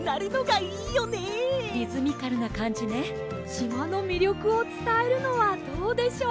しまのみりょくをつたえるのはどうでしょう？